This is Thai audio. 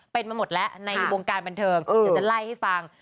เป็นมาหมดแล้วในวงการบันเทิงเดี๋ยวจะไล่ให้ฟัง